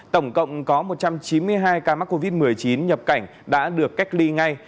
tổng cộng có một trăm chín mươi hai ca mắc covid một mươi chín nhập cảnh đã được cách ly ngay